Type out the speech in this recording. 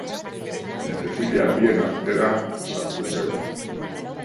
Baina Cecilia bien artera sartu zen.